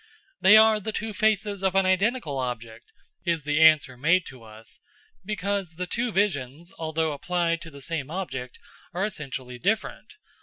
They are the two faces of an identical object, is the answer made to us, because the two visions, although applied to the same object, are essentially different.